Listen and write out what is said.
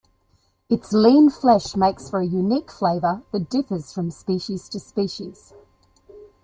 Its lean flesh makes for a unique flavor that differs from species to species.